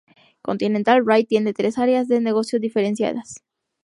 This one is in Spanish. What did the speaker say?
Continental Rail tiene tres áreas de negocio diferenciadas.